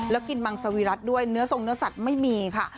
แล้วกินมังสวีรัติด้วยเนื้อทรงเนื้อสัตว์ไม่มีค่ะ